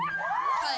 はい。